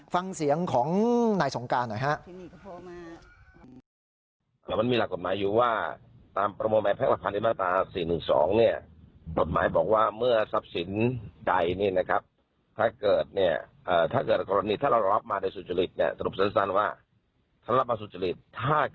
ฟังเสียงของนายสงการหน่อยฮะ